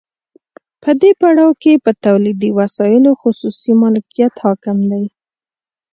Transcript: په دې پړاو کې په تولیدي وسایلو خصوصي مالکیت حاکم دی